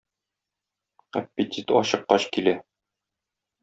Аппетит ачыккач килә.